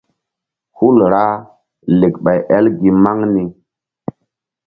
Hul ra lek ɓay el gi maŋ ni.